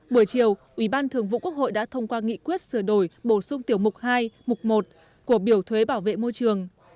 buổi chiều ủy ban thường vụ quốc hội đã thông qua nghị quyết sửa đổi bổ sung tiểu mục hai mục một của biểu thuế bảo vệ môi trường